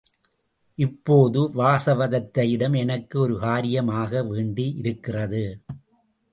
இப்போது வாசவதத்தையிடம் எனக்கு ஒரு காரியம் ஆக வேண்டியிருக்கிறது.